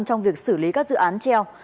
trong việc xử lý các dự án treo